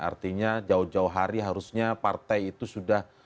artinya jauh jauh hari harusnya partai itu sudah